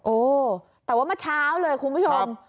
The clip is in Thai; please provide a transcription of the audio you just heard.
โอ้แต่ว่าเมื่อเช้าเลยคุณผู้ชม